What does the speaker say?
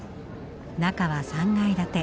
中は３階建て。